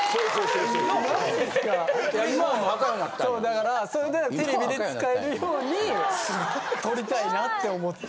だからそれならテレビで使えるように取りたいなって思って。